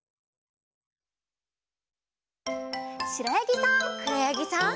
しろやぎさん。